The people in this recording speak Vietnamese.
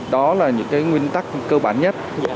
đó là những cái nguyên tắc cơ bản nhất